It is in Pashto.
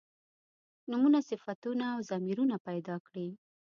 نومونه صفتونه او ضمیرونه پیدا کړي.